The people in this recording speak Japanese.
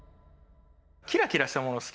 キラキラしたものが好き。